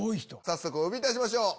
早速お呼びいたしましょう。